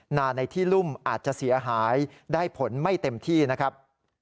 นาในที่รุ่มอาจจะเสียหายได้ผลไม่เต็มที่นะครับ